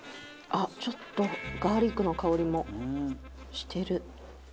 あっちょっとガーリックの香りもしてる。